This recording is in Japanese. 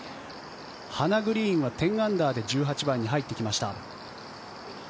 ハナ・グリーンは１０アンダーで１８番に入ってきました。